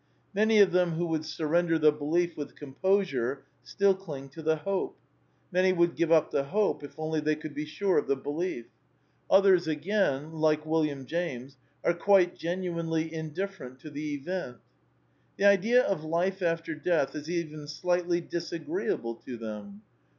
Many of them who would surrender the belief with composure still cling to the hope ; many wpuld give up the hope if only they could be sure of the belief. Others again, like William James, are quite genuinely indifferent to the event. The idea of life after death is even slightly disagreeable to them.